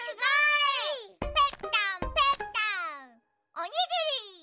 おにぎり！